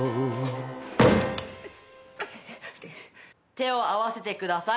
手を合わせてください。